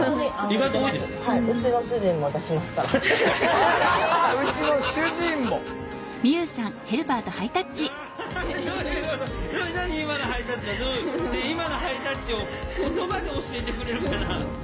今のハイタッチを言葉で教えてくれるかな？